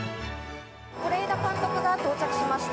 是枝監督が到着しました。